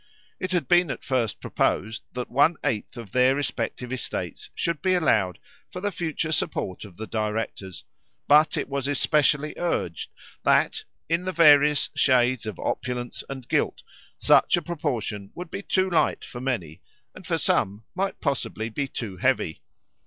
It had been at first proposed, that one eighth of their respective estates should be allowed for the future support of the directors; but it was especially urged that, in the various shades of opulence and guilt, such a proportion would be too light for many, and for some might possibly be too heavy.